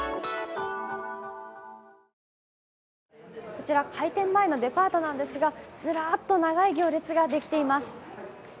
こちら、開店前のデパートなんですがずらーっと長い行列ができています。